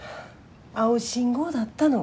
青信号だったの。